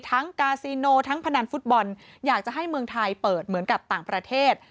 กาซีโนทั้งพนันฟุตบอลอยากจะให้เมืองไทยเปิดเหมือนกับต่างประเทศ